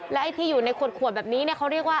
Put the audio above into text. ไอ้ที่อยู่ในขวดแบบนี้เขาเรียกว่า